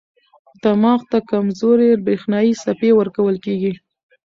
دماغ ته کمزورې برېښنايي څپې ورکول کېږي.